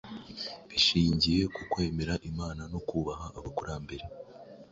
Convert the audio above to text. bishingiye ku kwemera Imana no kubaha abakurambere